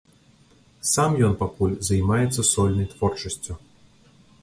Сам ён пакуль займаецца сольнай творчасцю.